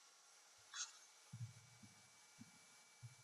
It has no bit-mapped graphics capability.